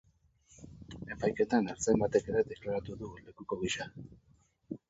Epaiketan ertzain batek ere deklaratu du lekuko gisa.